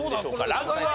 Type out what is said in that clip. ランクは？